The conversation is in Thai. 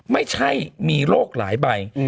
ไม่ใช่มีโรคหลายใบ